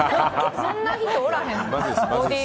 そんな人おらへん。